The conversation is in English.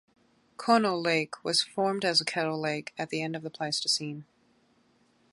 Conneaut Lake was formed as a kettle lake at the end of the Pleistocene.